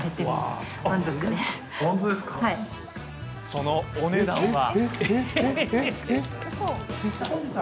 そのお値段は？